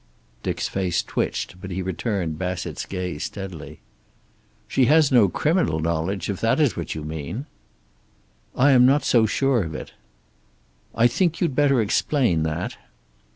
Dick's face twitched, but he returned Bassett's gaze steadily. "She has no criminal knowledge, if that is what you mean." "I am not so sure of it." "I think you'd better explain that."